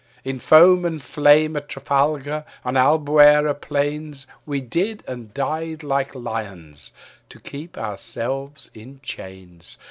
In foam and flame at Trafalgar, on Albeura plains, We did and died like lions, to keep ouselves in chains.